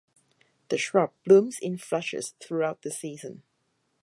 The shrub blooms in flushes throughout the season.